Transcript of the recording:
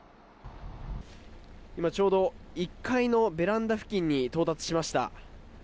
今、ちょうど１階のベランダ付近に到達しました。